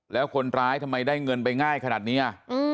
แล้วคนร้ายทำไมได้เงินไปง่ายขนาดนี้